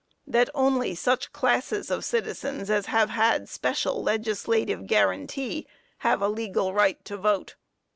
That only such classes of citizens as have had special legislative guarantee have a legal right to vote.